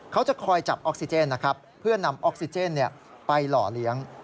เขาจะคอยจับออกซิเจนนะครับเพื่อนำออกซิเจนไปหล่อเลี้ยง